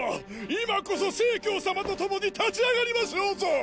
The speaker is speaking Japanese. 今こそ成様と共に立ち上がりましょうぞ！